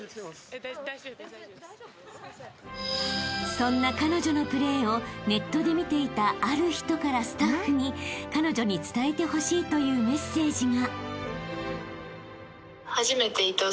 ［そんな彼女のプレーをネットで見ていたある人からスタッフに彼女に伝えてほしいというメッセージが］